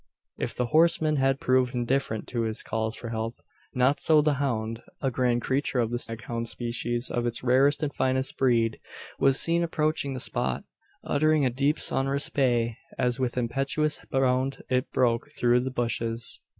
If the horseman had proved indifferent to his calls for help, not so the hound. A grand creature of the staghound species of its rarest and finest breed was seen approaching the spot, uttering a deep sonorous bay, as with impetuous bound it broke through the bushes.